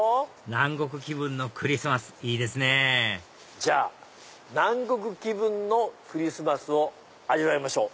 南国気分のクリスマスいいですねじゃあ南国気分のクリスマスを味わいましょう。